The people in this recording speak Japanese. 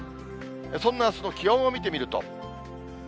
そんなあすの気温を見てみると。